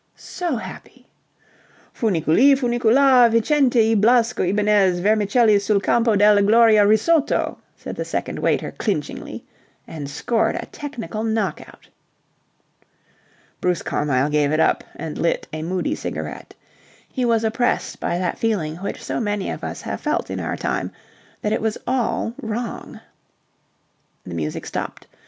"... so happy..." "Funiculi funicula Vincente y Blasco Ibanez vermicelli sul campo della gloria risotto!" said the second waiter clinchingly, and scored a technical knockout. Bruce Carmyle gave it up, and lit a moody cigarette. He was oppressed by that feeling which so many of us have felt in our time, that it was all wrong. The music stopped.